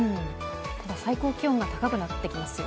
最高気温が高くなってきますよ。